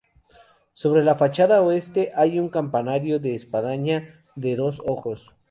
Sobre la fachada oeste hay un campanario de espadaña de dos ojos.